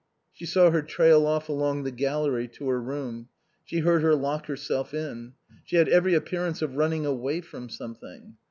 She saw her trail off along the gallery to her room; she heard her lock herself in. She had every appearance of running away from something.